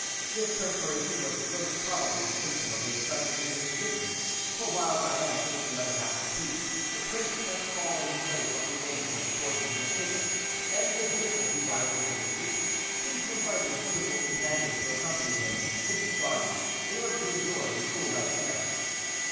This perspiration was most probably the symptom of a sudden indisposition; for while Diana ate the other half of the peach, the prince let fall on his plate what remained of the portion he had taken, and with difficulty rising from his seat, seemed to invite his beautiful companion to accompany him into the garden in order to enjoy the cool night air.